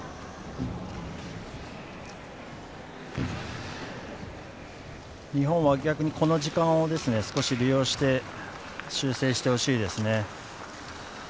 日本は逆にこの時間を少し利用して修正してほしいですね。